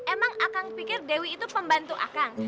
emang akan pikir dewi itu pembantu akang